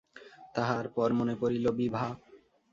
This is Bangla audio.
তাহার পর মনে পড়িল– বিভা।